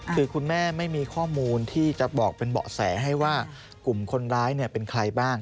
คือคุณแม่ไม่มีข้อมูลที่จะบอกเป็นเบาะแสให้ว่ากลุ่มคนร้ายเป็นใครบ้าง